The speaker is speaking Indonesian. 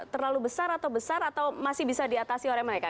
terlalu besar atau besar atau masih bisa diatasi oleh mereka